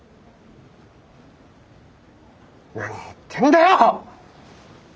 何言ってんだよ！